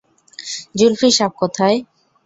জুলফি সাব কোথায়?